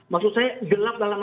maksud saya gelap dalam